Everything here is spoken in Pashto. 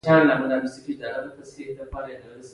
کور د خوشحال ژوند اساس دی.